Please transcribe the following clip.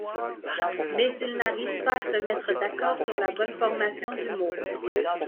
Mais ils n'arrivent pas à se mettre d'accord sur la bonne formation du mot.